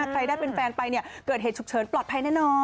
ใครได้เป็นแฟนไปเกิดเหตุฉุกเฉินปลอดภัยแน่นอน